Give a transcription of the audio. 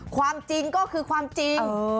ความจริงก็คือความจริง